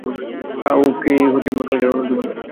কালকেই রওনা দিতে পারব।